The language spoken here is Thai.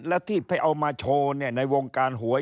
แล้วที่ไปเอามาโชว์ในวงการหวย